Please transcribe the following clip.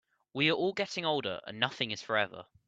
We are all getting older, and nothing is forever.